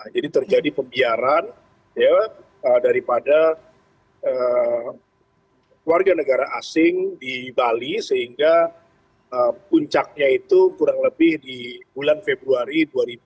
jadi terjadi pembiaran daripada warga negara asing di bali sehingga puncaknya itu kurang lebih di bulan februari dua ribu dua puluh tiga